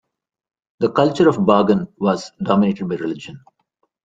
The culture of Bagan was dominated by religion.